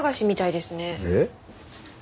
えっ？